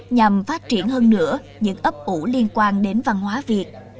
nhằm phát triển hơn nữa những ấp ủ liên quan đến văn hóa việt